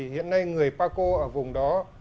hiện nay người paco ở vùng đó